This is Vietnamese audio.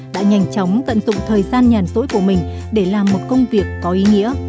đã nhanh chóng tận dụng thời gian nhàn tối của mình để làm một công việc có ý nghĩa